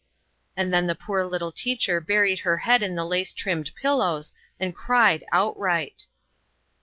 And then the poor little teacher buried her head ii: the lace trimmed pillows and cried outright